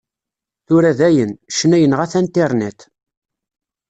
Tura dayen, ccna yenɣa-t Internet.